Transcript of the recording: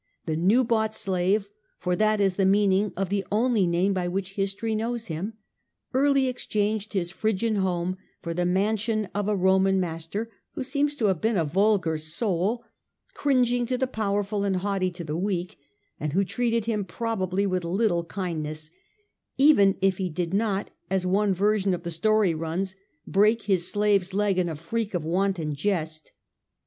The new bought slave, for that is the such as meaning of the only name by which history Epictetus, knows him, early exchanged his Phrygian home for the mansion of a Roman master, who seems to have been a vulgar soul, cringing to the powerful and haughty to the weak, and who treated him probably with little kindness, even if he did not, as one version of the story runs, break his slaveys leg in a freak of wanton jest.